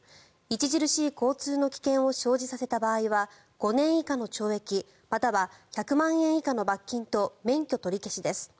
著しい交通の危険を生じさせた場合は５年以下の懲役または１００万円以下の罰金と免許取り消しです。